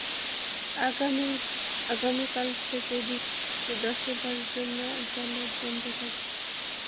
আগামীকাল থেকে দশেরার জন্য আদালত বন্ধ থাকবে।